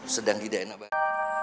sedang tidak enak